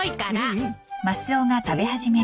うん？